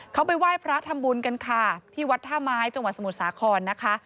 เขาไปไหว้พระทำบุญกันค่ะที่วัดท่าไม้จังหวัดสมุทรสาครนะคะ